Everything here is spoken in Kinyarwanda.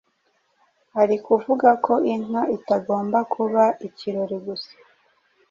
ari kuvuga ko inka itagomba kuba ikirori gusa